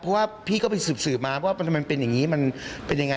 เพราะว่าพี่ก็ไปสืบสืบมาว่าทำไมมันเป็นอย่างนี้มันเป็นยังไง